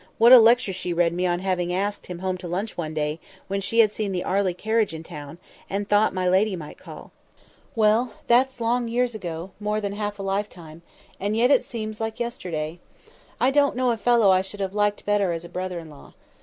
What a lecture she read me on having asked him home to lunch one day, when she had seen the Arley carriage in the town, and thought that my lady might call. Well, that's long years ago; more than half a life time, and yet it seems like yesterday! I don't know a fellow I should have liked better as a brother in law.